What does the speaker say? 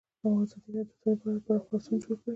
ازادي راډیو د سوله په اړه پراخ بحثونه جوړ کړي.